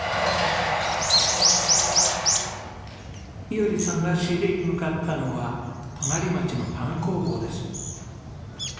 衣織さんが仕入れに向かったのは隣町のパン工房です。